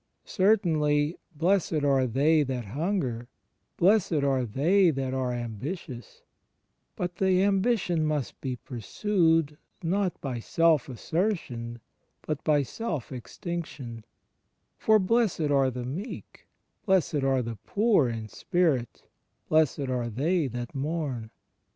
Certainly "blessed are they that hunger"; blessed are they that are "ambitious"; but the ambition must be pursued not by self assertion but by self extinction; for "blessed are the meek"; "blessed are the poor in spirit"; "blessed are they that mourn."